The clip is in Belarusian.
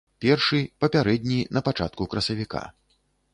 Першы, папярэдні, на пачатку красавіка.